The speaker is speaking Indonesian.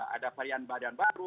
ada varian badan baru